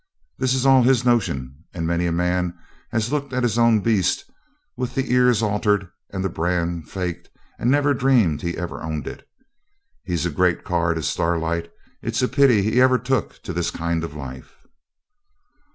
'This is all his notion; and many a man has looked at his own beast, with the ears altered and the brand faked, and never dreamed he ever owned it. He's a great card is Starlight. It's a pity he ever took to this kind of life.'